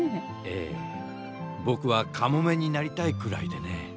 ええぼくはカモメになりたいくらいでね。